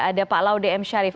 ada pak laudem syarif